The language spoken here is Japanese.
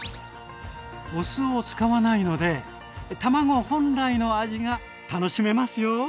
お酢を使わないので卵本来の味が楽しめますよ。